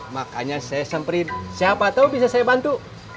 makanya saya semprin siapa tau bisa saya bantu